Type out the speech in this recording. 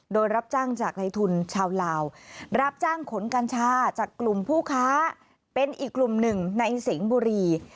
โดยรับจ้างจากในทุนชาวลาวรับจ้างขนกัญชาจากกลุ่มผู้ค้าเป็นอีกกลุ่มหนึ่งในสิงห์บุรี